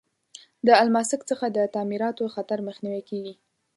د الماسک څخه د تعمیراتو خطر مخنیوی کیږي.